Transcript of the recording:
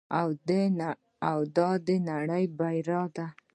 او د نړۍ بریا ده.